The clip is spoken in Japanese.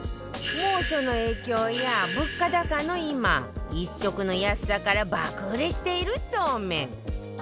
猛暑の影響や物価高の今１食の安さから爆売れしているそうめん